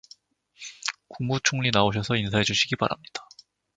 국무총리 나오셔서 인사해 주시기 바랍니다.